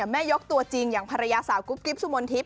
แม่ยกตัวจริงอย่างภรรยาสาวกุ๊บกิ๊บสุมนทิพย